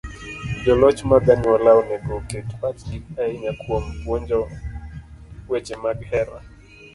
Joloch mag anyuola onego oket pachgi ahinya kuom puonjo weche mag hera.